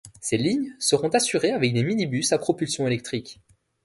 Ces lignes seront assurées avec des minibus à propulsion électrique.